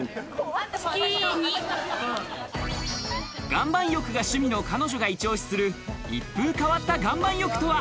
岩盤浴が趣味の彼女が一押しする一風変わった岩盤浴とは？